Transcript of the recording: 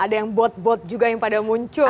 ada yang bot bot juga yang pada muncul